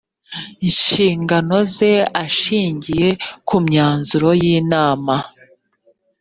nshingano ze ashingiye ku myanzuro y inama